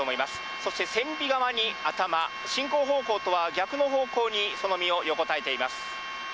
そして船尾側に頭、進行方向とは逆の方向に、その身を横たえています。